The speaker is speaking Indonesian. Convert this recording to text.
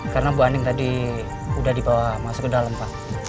karena buah andin tadi udah dibawa masuk ke dalam pak